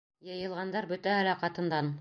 Йыйылғандар бөтәһе лә ҡатындан: